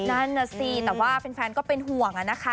นั่นน่ะสิแต่ว่าแฟนก็เป็นห่วงอะนะคะ